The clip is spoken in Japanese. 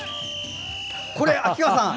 これ秋川さん？